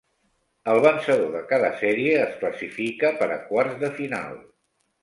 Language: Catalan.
El vencedor de cada sèrie es classifica per a quarts de final.